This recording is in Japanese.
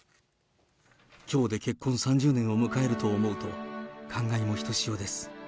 きょうで結婚３０年を迎えると思うと、感慨もひとしおです。